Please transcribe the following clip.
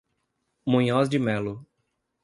Munhoz de Mello